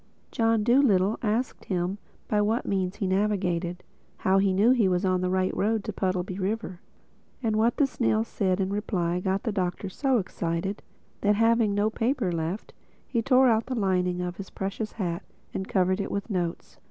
John Dolittle asked him by what means he navigated—how he knew he was on the right road to Puddleby River. And what the snail said in reply got the Doctor so excited, that having no paper left, he tore out the lining of his precious hat and covered it with notes.